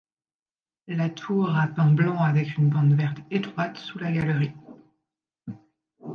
La tour a peint blanc avec une bande verte étroite sous la galerie.